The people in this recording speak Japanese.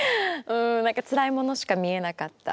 うん何かつらいものしか見えなかったっていう。